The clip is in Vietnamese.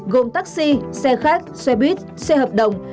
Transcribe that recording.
gồm taxi xe khách xe buýt xe hợp đồng